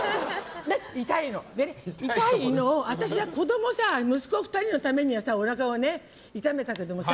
痛いのを私は子供息子２人のためにおなかを痛めたけどもさ